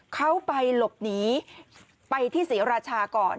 เขาไปหลบหนีไปที่ศรีราชาก่อน